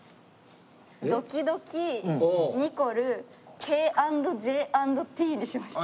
「ドキドキＮＩＣＯＬＥＫ＆Ｊ＆Ｔ」にしました。